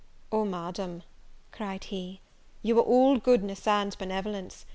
"Oh, Madam," cried he, "you are all goodness and benevolence!